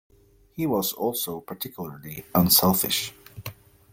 He was also particularly unselfish.